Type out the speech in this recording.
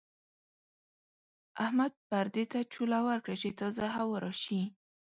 احمد پردې ته چوله ورکړه چې تازه هوا راشي.